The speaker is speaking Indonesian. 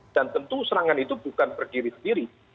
dan tentu serangan itu bukan berdiri diri